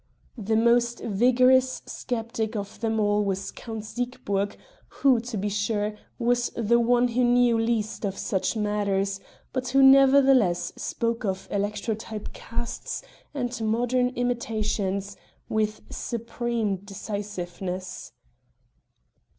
The most vigorous sceptic of them all was Count Siegburg, who, to be sure, was the one who knew least of such matters, but who nevertheless spoke of "electrotype casts and modern imitations" with supreme decisiveness.